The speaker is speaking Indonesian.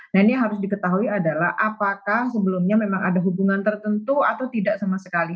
nah ini harus diketahui adalah apakah sebelumnya memang ada hubungan tertentu atau tidak sama sekali